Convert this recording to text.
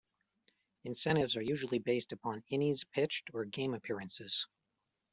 Incentives are usually based upon innings pitched or game appearances.